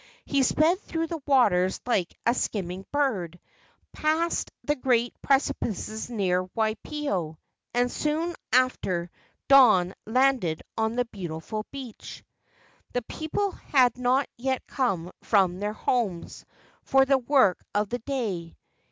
He sped through the waters like a skimming bird, passed the great precipices near Waipio, and soon after dawn landed on the beautiful beach. The people had not yet come from their homes for the work of the day.